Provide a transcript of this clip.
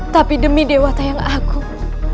tapi demi dewata yang agung